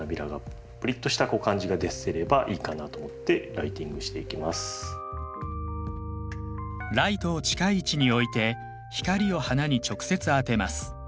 ポイントはライトを近い位置に置いて光を花に直接当てます。